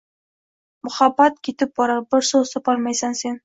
Muhabbat ketib borar. Bir so‘z topolmaysan, sen